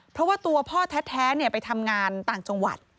เพราะว่าตัวพ่อแท้ไปทำงานต่างจังหวัด